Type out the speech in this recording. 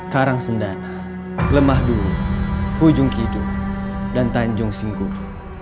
karang sendana lemah dulu hujung kidu dan tanjung singgur